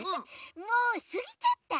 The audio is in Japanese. もうすぎちゃった？